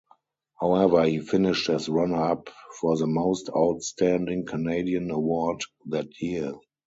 However, he finished as runner up for the Most Outstanding Canadian award that year.